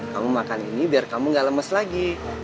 kamu makan ini biar kamu gak lemes lagi